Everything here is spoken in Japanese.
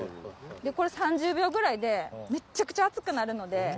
これ３０秒ぐらいでめっちゃくちゃ熱くなるので。